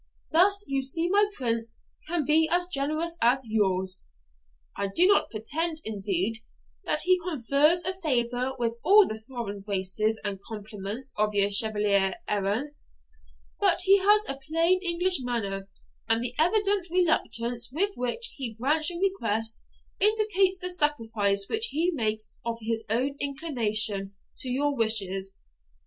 Thus you see my prince can be as generous as yours. I do not pretend, indeed, that he confers a favour with all the foreign graces and compliments of your Chevalier errant; but he has a plain English manner, and the evident reluctance with which he grants your request indicates the sacrifice which he makes of his own inclination to your wishes.